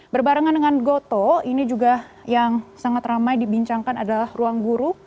berbarengan dengan gotoh ini juga yang sangat ramai dibincangkan adalah ruangguru